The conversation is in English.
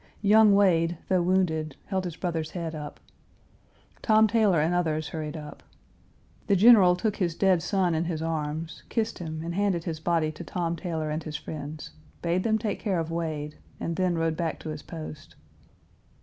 Young Wade, though wounded, held his brother's head up. Tom Taylor and others hurried up. The General took his dead son in his arms, kissed him, and handed his body to Tom Taylor and his friends, bade them take care of Wade, and then rode back to his post.